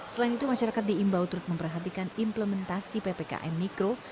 selain itu masyarakat diimbau terus memperhatikan implementasi ppkm mikro